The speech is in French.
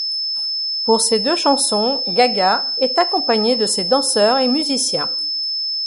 Pour ces deux chansons, Gaga est accompagnée de ses danseurs et musiciens.